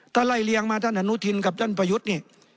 ถ้าไล่เลี้ยงมาท่านอนุทินกับท่านประยุทธ์นี่